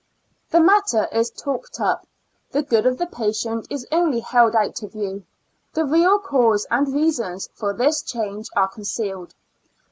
The matter is talked up ; the good of the patient is only held out to view ; the real cause and reasons for this change are concealed.